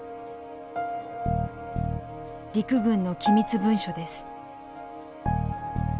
陸軍の機密文書です。